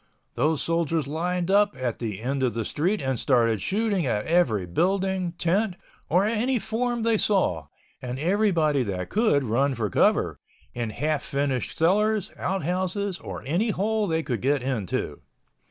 Those soldiers lined up at the end of the street and started shooting at every building, tent, or any form they saw, and everybody that could run for cover—in half finished cellars, out houses or any hole they could get into.